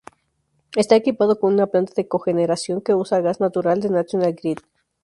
Está equipado con una planta de cogeneración que usa gas natural del National Grid.